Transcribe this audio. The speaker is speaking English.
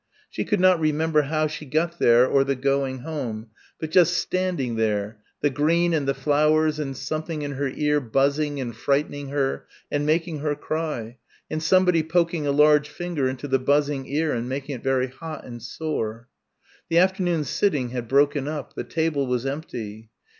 She could not remember how she got there or the going home, but just standing there the green and the flowers and something in her ear buzzing and frightening her and making her cry, and somebody poking a large finger into the buzzing ear and making it very hot and sore. The afternoon sitting had broken up. The table was empty.